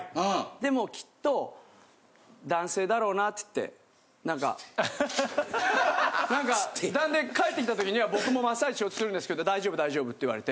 でもきっと男性だろうなつってなんかなんか帰ってきたときには僕もマッサージしようとするんですけど大丈夫大丈夫って言われて。